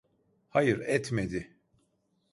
Hayır, etmedi.